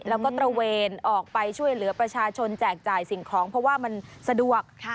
แล้วก็ตระเวนออกไปช่วยเหลือประชาชนแจกจ่ายสิ่งของเพราะว่ามันสะดวก